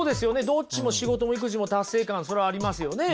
どっちも仕事も育児も達成感それはありますよね。